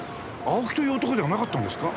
青木という男ではなかったんですか？